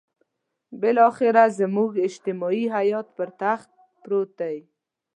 بالاخره زموږ اجتماعي حيات پر تخت پروت دی.